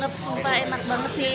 sumpah enak banget sih